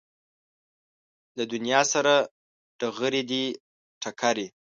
له دنیا سره ډغرې دي ټکرې